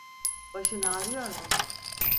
Başın ağrıyor mu?